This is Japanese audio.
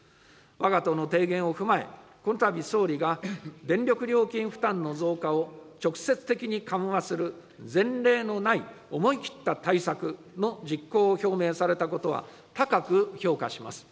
わが党の提言を踏まえ、このたび総理が電力料金負担の増加を直接的に緩和する、前例のない思い切った対策の実行を表明されたことは高く評価します。